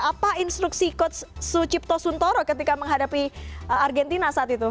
apa instruksi coach sucipto suntoro ketika menghadapi argentina saat itu